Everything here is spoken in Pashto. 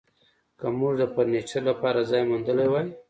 که موږ د فرنیچر لپاره ځای موندلی وای